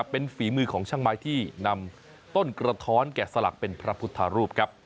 เป็นฝีมือของช่างไม้ที่นำต้นกระท้อนแกะสลักเป็นพระพุทธรูปครับ